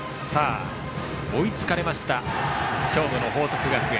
追いつかれました兵庫の報徳学園。